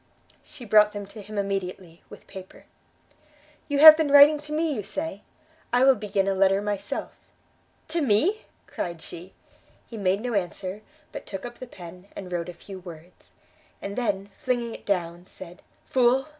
She brought them to him immediately, with paper. "You have been writing to me, you say? I will begin a letter myself." "To me?" cried she. He made no answer, but took up the pen, and wrote a few words, and then, flinging it down, said, "Fool!